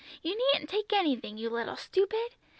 You needn't take anything, you little stupid!